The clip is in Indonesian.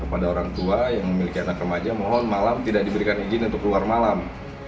kepada orang tua yang memiliki anak remaja mohon malam tidak diberikan izin untuk keluar malam